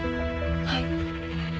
はい。